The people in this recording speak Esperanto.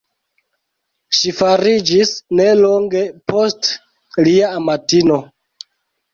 Ŝi fariĝis nelonge poste lia amatino.